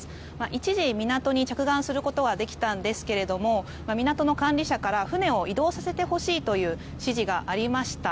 一時、港に着岸することはできたんですが港の管理者から船を移動させてほしいという指示がありました。